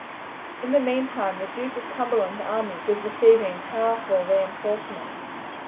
In the meantime the Duke of Cumberland's army was receiving powerful reinforcements.